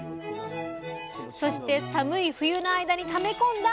そして寒い冬の間にため込んだ甘み！